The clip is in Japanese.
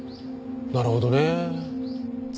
なるほどねえ。